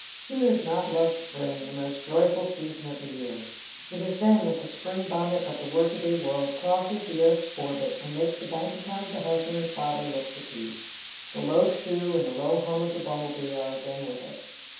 Who does not love spring, the most joyful season of the year? It is then that the spring bonnet of the workaday world crosses the earth's orbit and makes the bank account of the husband and father look fatigued. The low shoe and the low hum of the bumble bee are again with us.